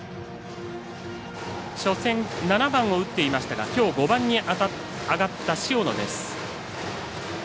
初戦７番を打っていましたがきょう５番に上がった塩野です。